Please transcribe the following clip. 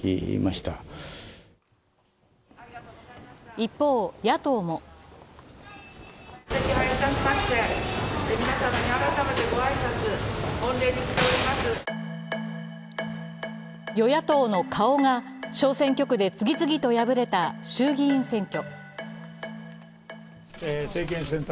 一方、野党も与野党の顔が小選挙区で次々と敗れた衆議院選挙。